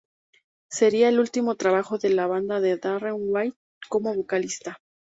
Sería el último trabajo de la banda con Darren White como vocalista.